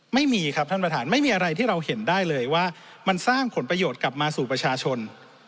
ไม่มีครับท่านประธานไม่มีอะไรที่เราเห็นได้เลยว่ามันสร้างผลประโยชน์กลับมาสู่ประชาชน